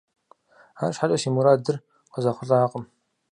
АрщхьэкӀэ си мурадыр къызэхъулӀакъым.